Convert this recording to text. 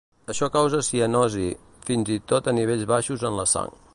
Això causa cianosi, fins i tot a nivells baixos en la sang.